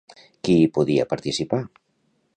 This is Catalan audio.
Qui hi podia participar?